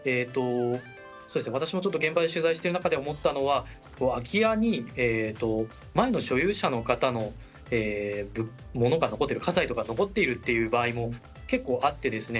私も現場で取材している中で思ったのは空き家に、前の所有者の方の物、家財が残っているということが結構あってですね。